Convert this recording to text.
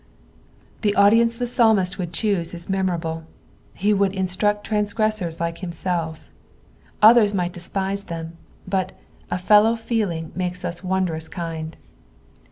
The audience the psalmist would choose is memorable — he would instruct transgressors tike himself; others might despise them, but, PSALU THE FIFTY FIRST. 45^1 "a fellow feeling makes us wondrous kind."